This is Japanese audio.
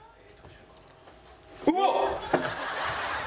うわっ！